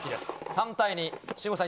３対２、信五さん